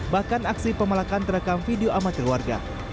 bahkan aksi pemelakan terekam video amat keluarga